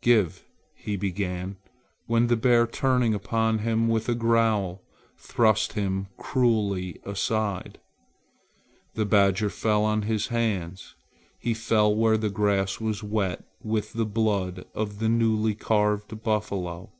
"Give " he began, when the bear turning upon him with a growl, thrust him cruelly aside. The badger fell on his hands. He fell where the grass was wet with the blood of the newly carved buffalo.